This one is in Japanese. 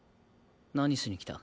何しに来た？